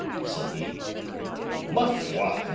said he. "_Ma foi!